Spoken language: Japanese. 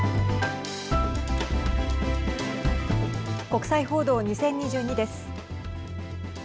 国際報道２０２２です。